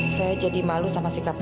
saya jadi malu sama sikapnya